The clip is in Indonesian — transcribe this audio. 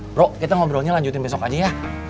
bro kita ngobrolnya lanjutin besok aja ya